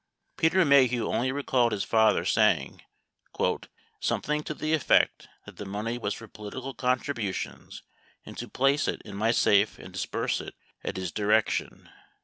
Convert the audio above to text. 66 Peter Maheu only recalled his father saying "something to the effect that the money was for political contributions, and to place it in my safe and disburse it at his direction."